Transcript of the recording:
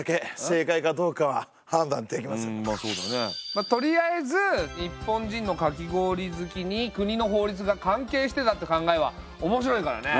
まあとりあえず日本人のかき氷好きに国の法律が関係してたって考えは面白いからね。